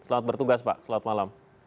selamat bertugas pak selamat malam